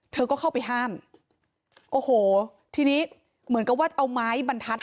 เธอก็เข้าไปห้ามโอ้โหทีนี้เหมือนกับว่าเอาไม้บรรทัด